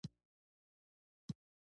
احمد د پلار پر پلو پل کېښود.